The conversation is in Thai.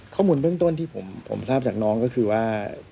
ข้อมูลเบื้องต้นที่ผมทราบจากน้องก็คือว่า